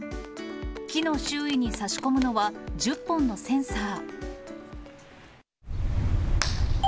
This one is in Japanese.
木の周囲に差し込むのは、１０本のセンサー。